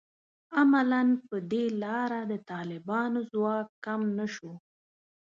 عملاً په دې لاره د طالبانو ځواک کم نه شو